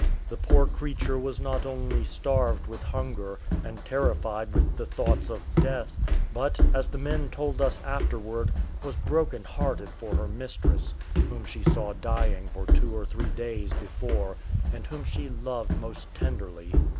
The poor creature was not only starved with hunger, and terrified with the thoughts of death, but, as the men told us afterwards, was broken hearted for her mistress, whom she saw dying for two or three days before, and whom she loved most tenderly.